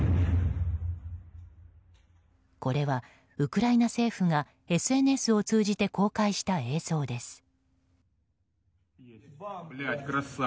これはウクライナ政府がＳＮＳを通じて公開した映像です。